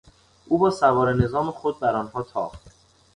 او با سواره نظام خود بر آنها تاخت.